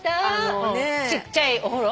ちっちゃいお風呂？